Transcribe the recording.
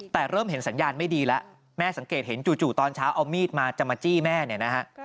แต่เริ่มเห็นสัญญาณไม่ดีแล้วแม่สังเกตเห็นจู่ตอนเช้าเอามีดมาจะมาจี้แม่เนี่ยนะฮะ